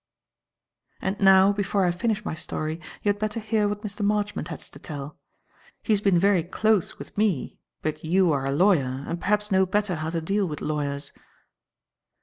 "And now, before I finish my story, you had better hear what Mr. Marchmont has to tell. He has been very close with me, but you are a lawyer and perhaps know better how to deal with lawyers."